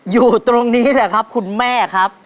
อยู่ตรงนี้แหละครับคุณแม่ครับ